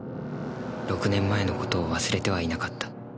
６年前の事を忘れてはいなかった。